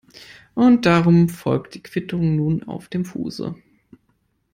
Und darum folgt die Quittung nun auf dem Fuße.